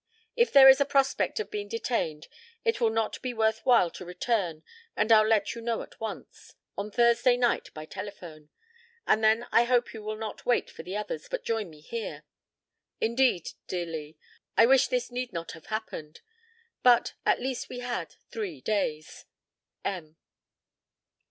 If there is a prospect of being detained it will not be worth while to return and I'll let you know at once on Thursday night by telephone; and then I hope you will not wait for the others, but join me here. Indeed, dear Lee, I wish this need not have happened, but at least we had three days. M."